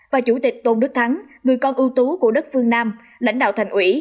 và chủ tịch tôn đức thắng người con ưu tú của đất phương nam lãnh đạo thành ủy